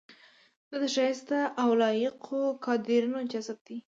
دا د شایسته او لایقو کادرونو جذب دی.